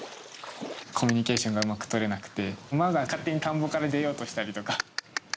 コミュニケーションがうまく取れなくて馬が勝手に田んぼから出ようとしたりとか。